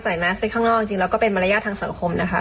แมสไปข้างนอกจริงแล้วก็เป็นมารยาททางสังคมนะคะ